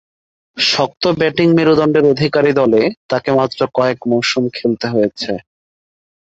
শক্ত ব্যাটিং মেরুদণ্ডের অধিকারী দলে তাকে মাত্র কয়েক মৌসুম খেলতে হয়েছে।